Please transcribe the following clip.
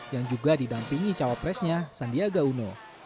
yang juga didampingi cawapresnya sandiaga uno